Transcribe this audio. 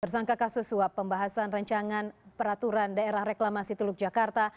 tersangka kasus suap pembahasan rancangan peraturan daerah reklamasi teluk jakarta